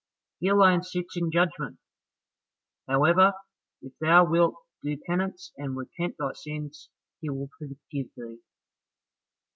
He alone sits in judgement. However, if thou wilt do penance and repent thy sins, he will forgive thee."